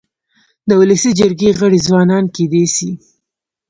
د ولسي جرګي غړي ځوانان کيدای سي.